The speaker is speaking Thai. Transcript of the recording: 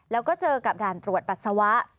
แล้วก็เจอกับด่านตรวจปัสสาวะ